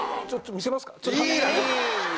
見せますか？